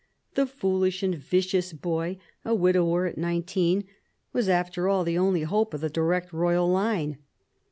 The foolish and vicious boy, a widower at nineteen, was after all the only hope of the direct royal line.